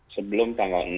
sebelum tanggal enam